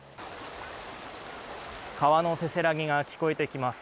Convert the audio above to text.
川のせせらぎが聞こえてきます。